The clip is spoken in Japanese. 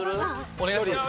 お願いします！